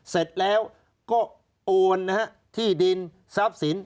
เสร็จแล้วก็โอนนะฮะที่ดินทรัพย์สิน